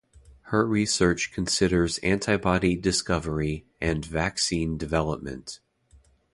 Her research considers antibody discovery and vaccine development.